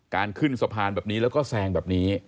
ขึ้นสะพานแบบนี้แล้วก็แซงแบบนี้